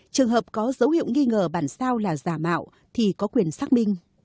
trường hợp có dấu hiệu nghi ngờ bản sao là giả mạo thì có quyền xác minh